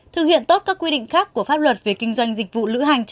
thực hiện tốt các quy định khác của pháp luật về kinh doanh dịch vụ lữ hành